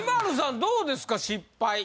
どうですか失敗。